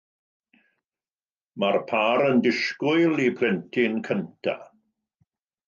Mae'r pâr yn disgwyl eu plentyn cyntaf.